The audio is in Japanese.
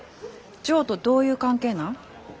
ジョーとどういう関係なん？